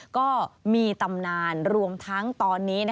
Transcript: ก็มีตำนานรวมทั้งตอนนี้